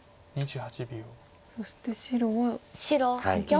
そして白は三間。